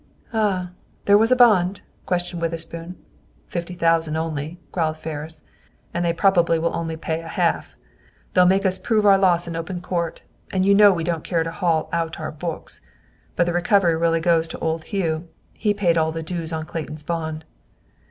"Ah! There was a bond?" questioned Witherspoon. "Fifty thousand, only," growled Ferris, "and they probably will only pay a half. They'll make us prove our loss in open court, and you know we don't care to haul out our books. But the recovery goes really to old Hugh; he paid all the dues on Clayton's bond."